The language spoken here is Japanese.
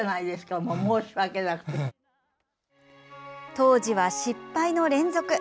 当時は失敗の連続。